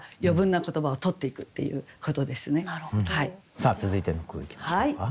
さあ続いての句いきましょうか。